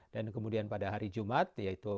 dan kemudian pada hari jumat yaitu